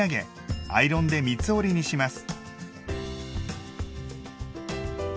アイロンで三つ折りにします。